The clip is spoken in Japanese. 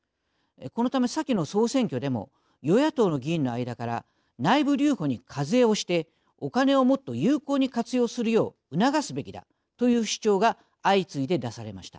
このため先の総選挙でも与野党の議員の間から内部留保に課税をしておカネをもっと有効に活用するよう促すべきだという主張が相次いで出されました。